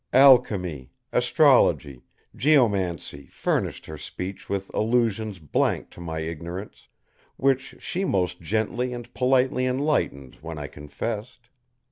Alchemy, astrology, geomancy furnished her speech with allusions blank to my ignorance; which she most gently and politely enlightened when I confessed.